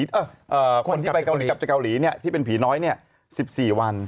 ที่กับคนที่ไปกับประเทศเกาหรีที่เป็นผีน้อย๑๔วัน